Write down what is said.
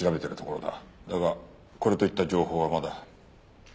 だがこれといった情報はまだ。